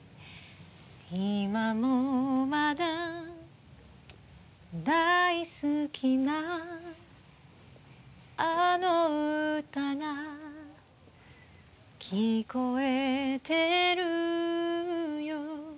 いまもまだ大好きなあの歌が聞こえてるよ